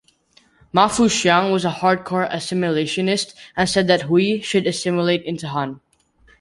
Ma Fuxiang was a hardcore assimilationist and said that Hui should assimilate into Han.